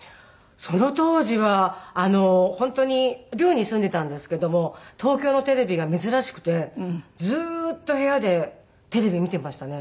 その当時は本当に寮に住んでたんですけども東京のテレビが珍しくてずーっと部屋でテレビ見てましたね。